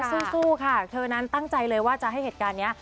สู้ค่ะเธอนั้นตั้งใจเลยว่าจะให้เหตุการณ์นี้